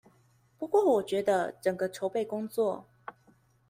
不過我覺得，整個籌備工作